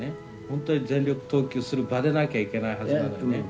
本当に全力投球する場でなきゃいけないはずなのにね。